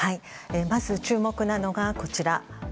まず注目なのがこちら。